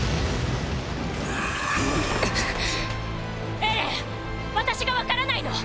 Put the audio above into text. エレン私が分からないの⁉